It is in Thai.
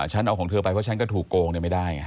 ฉันเอาของเธอไปเพราะฉันก็ถูกโกงไม่ได้ไง